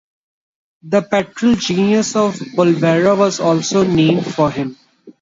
The petrel genus of "Bulweria" was also named for him.